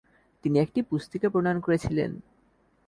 তিনি একটি পুস্তিকা প্রণয়ন করেছিলেন।